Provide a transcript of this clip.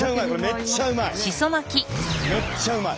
めっちゃうまい！